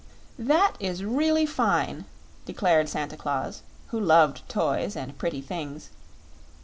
"That is really fine!" declared Santa Claus, who loved toys and pretty things.